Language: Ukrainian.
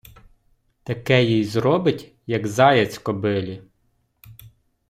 Таке їй зробить, як заяць кобилі.